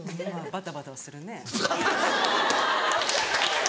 バタバタはするね。